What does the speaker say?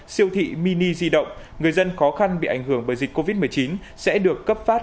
siêu thị mini di động người dân khó khăn bị ảnh hưởng bởi dịch covid một mươi chín sẽ được cấp phát